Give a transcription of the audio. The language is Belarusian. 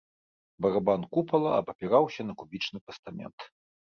Барабан купала абапіраўся на кубічны пастамент.